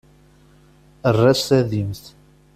Err-as tadimt.